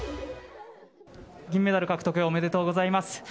銀メダル獲得、おめでとうございます。